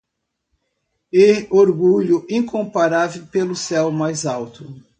E orgulho incomparável pelo céu mais alto